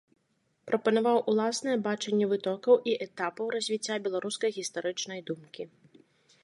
Прапанаваў уласнае бачанне вытокаў і этапаў развіцця беларускай гістарычнай думкі.